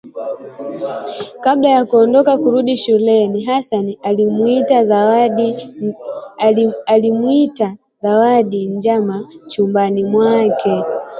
Kabla ya kuondoka kurudi shuleni Hassan alimwita Zawadi njama chumbani mwake